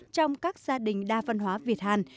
trong các gia đình đa văn hóa việt hàn